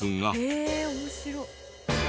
へえ面白い。